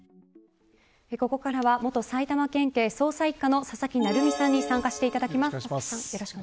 ここからは元埼玉県警捜査一課の佐々木成三さんに参加していただきます。